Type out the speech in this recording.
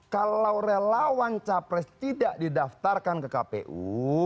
kalau relawan capres tidak didaftarkan ke kpu